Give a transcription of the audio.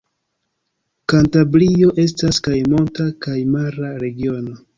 Kantabrio estas kaj monta kaj mara regiono.